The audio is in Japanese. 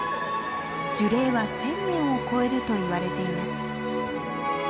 樹齢は千年を超えるといわれています。